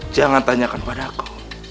jangan tanyakan pada aku